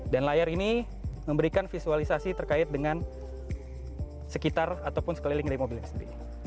dan layar ini memberikan visualisasi terkait dengan sekitar ataupun sekeliling dari mobil ini